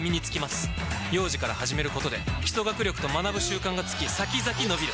幼児から始めることで基礎学力と学ぶ習慣がつき先々のびる！